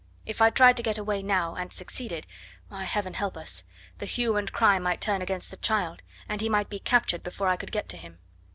If I tried to get away now, and succeeded why, Heaven help us! the hue and cry might turn against the child, and he might be captured before I could get to him.